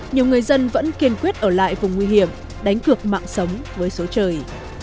nhiều người dân vẫn kiên quyết ở lại vùng nguy hiểm đánh cược mạng sống với số trời